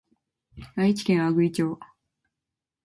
愛知県阿久比町